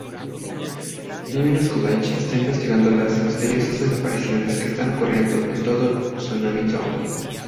Luminous College está investigando las misteriosas desapariciones que están ocurriendo en todo Tatsumi Town.